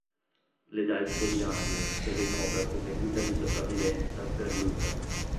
Le dà il suo diario che lei nota come 'Guida di sopravvivenza' per Lucas.